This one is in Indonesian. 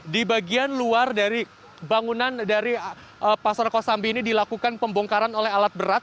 di bagian luar dari bangunan dari pasar kosambi ini dilakukan pembongkaran oleh alat berat